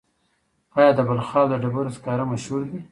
آیا د بلخاب د ډبرو سکاره مشهور دي؟